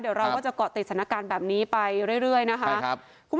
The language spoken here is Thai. เดี๋ยวเราก็จะเกาะติดสถานการณ์แบบนี้ไปเรื่อยนะคะ